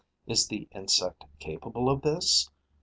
Is the insect capable of this?